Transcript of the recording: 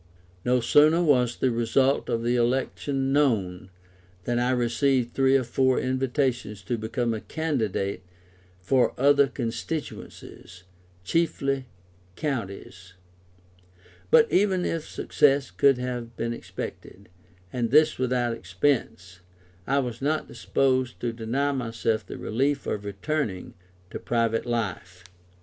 No sooner was the result of the election known than I received three or four invitations to become a candidate for other constituencies, chiefly counties; but even if success could have been expected, and this without expense, I was not disposed to deny myself the relief of returning to private life.